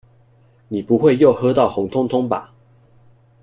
你不會又喝到紅通通吧？